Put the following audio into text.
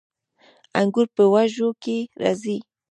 انګور په وږو کې راځي